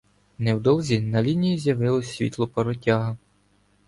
Невдовзі на лінії з'явилося світло паротяга.